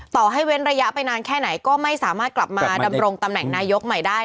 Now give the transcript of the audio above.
ต่อให้เว้นระยะไปนานแค่ไหนก็ไม่สามารถกลับมาดำรงตำแหน่งนายกใหม่ได้